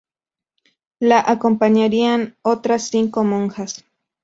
La acompañarían otras cinco monjas.